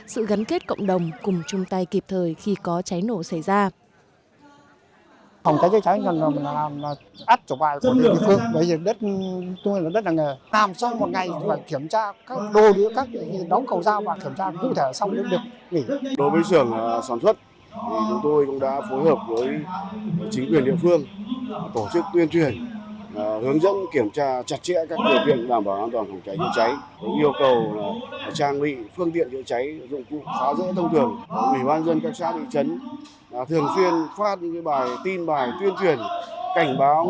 sự gắn kết cộng đồng cùng chung tay kịp thời khi có cháy nổ xảy ra